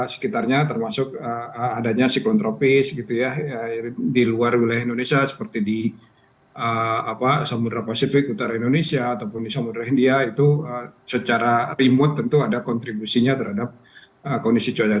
sekitarnya termasuk adanya siklon tropis gitu ya di luar wilayah indonesia seperti di samudera pasifik utara indonesia ataupun di samudera india itu secara remote tentu ada kontribusinya terhadap kondisi cuaca